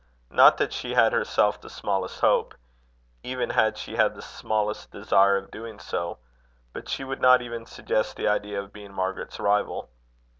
Not that she had herself the smallest hope, even had she had the smallest desire of doing so; but she would not even suggest the idea of being Margaret's rival.